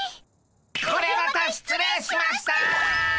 こりゃまた失礼しました。